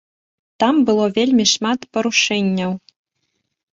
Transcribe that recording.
Там было вельмі шмат парушэнняў.